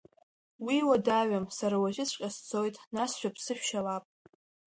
Уи уадаҩым, сара уажәыҵәҟьа сцоит, нас шәыԥсы шәшьалап.